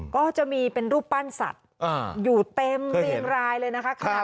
ก็จะมีเป็นรูปปั้นสัตว์อยู่เต็มเรียงรายเลยนะคะ